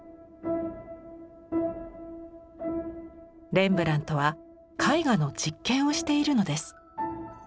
レンブラントは絵画の実験をしているのです。